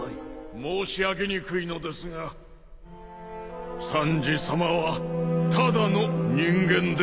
申し上げにくいのですがサンジさまはただの人間です